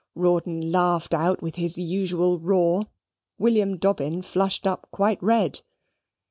Rawdon laughed out with his usual roar. William Dobbin flushed up quite red.